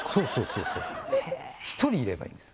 そうそう１人いればいいんです